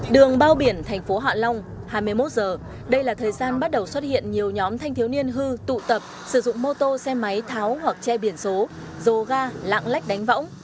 đường bao biển thành phố hạ long hai mươi một h đây là thời gian bắt đầu xuất hiện nhiều nhóm thanh thiếu niên hư tụ tập sử dụng mô tô xe máy tháo hoặc che biển số dồ ga lạng lách đánh võng